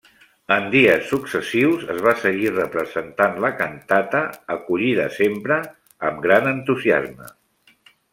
En dies successius es va seguir representant la cantata, acollida sempre amb gran entusiasme.